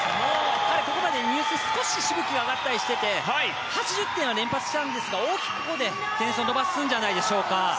彼、ここまで入水少ししぶきが上がったりしていて８０点を連発していたんですが大きくここで点数を伸ばすんじゃないでしょうか。